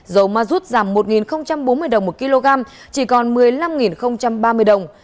dầu ma rút giảm một bốn mươi đồng một kg